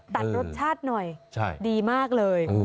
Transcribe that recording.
ตัดรสชาติหน่อยดีมากเลย